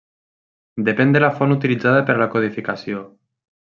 Depèn de la font utilitzada per a la codificació.